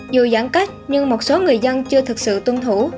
dù giãn cách nhưng một số người dân chưa thực sự tuân thủ